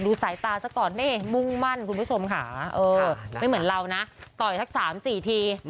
สายตาซะก่อนนี่มุ่งมั่นคุณผู้ชมค่ะไม่เหมือนเรานะต่อยสัก๓๔ที